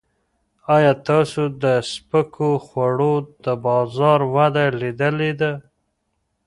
ایا تاسو د سپکو خوړو د بازار وده لیدلې ده؟